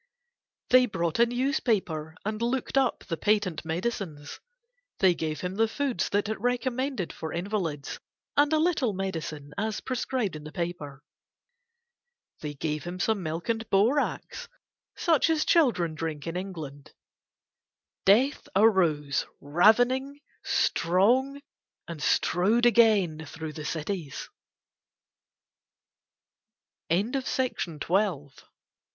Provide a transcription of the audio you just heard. They brought a newspaper and looked up the patent medicines; they gave him the foods that it recommended for invalids, and a little medicine as prescribed in the paper. They gave him some milk and borax, such as children drink in England. Death arose ravening, strong, and strode again through the cities. THE LONELY IDOL I had from a